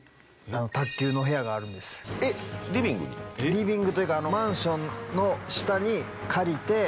リビングというかマンションの下に借りて。